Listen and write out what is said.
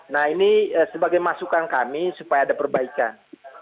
nah ini sebagai masukan kami supaya ada perbaikan